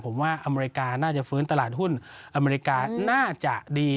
ผมว่าอเมริกาน่าจะฟื้นตลาดหุ้นอเมริกาน่าจะดี